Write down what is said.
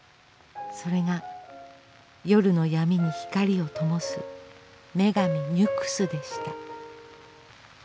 それが夜の闇に光をともす「女神ニュクス」でした。